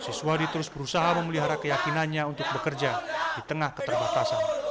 siswadi terus berusaha memelihara keyakinannya untuk bekerja di tengah keterbatasan